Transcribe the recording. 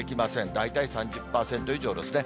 大体３０％以上ですね。